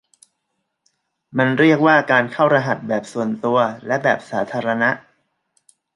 มันเรียกว่าการเข้ารหัสแบบส่วนตัวและแบบสาธารณะ